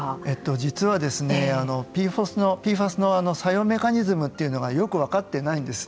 実はＰＦＡＳの作用メカニズムというのがよく分かっていないんです。